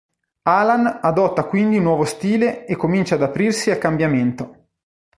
Alan adotta quindi un nuovo stile e comincia ad aprirsi al cambiamento.